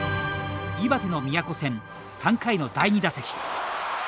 岩手の宮古戦、３回の第２打席。